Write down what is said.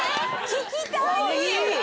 聞きたい！